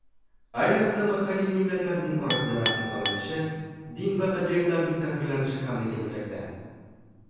Ayniqsa, mahalliy millatlarning orasiga rahna solinishi, din va qadriyatlarning tahqirlanishi hamda kelajakda